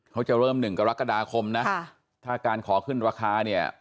เขาจะเริ่ม๑กรกฎาคมนะถ้าการขอขึ้นราคาเนี่ย